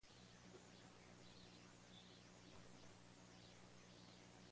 Búrlase de la multitud de la ciudad: No oye las voces del arriero.